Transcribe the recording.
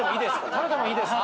食べてもいいですか？